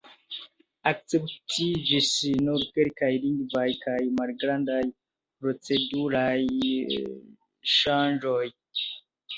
Akceptiĝis nur kelkaj lingvaj kaj malgrandaj proceduraj ŝanĝoj.